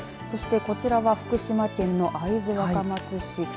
そして、こちらは福島県の会津若松市。